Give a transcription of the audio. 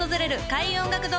開運音楽堂